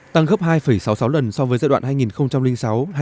tăng gấp hai sáu mươi sáu lần so với giai đoạn hai nghìn sáu hai nghìn một mươi